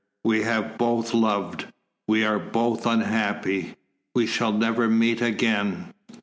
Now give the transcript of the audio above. We have both loved, we are both unhappy we shall never meet again."